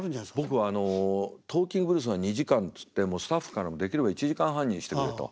僕あの「トーキングブルース」が２時間っつってもうスタッフからも「できれば１時間半にしてくれ」と。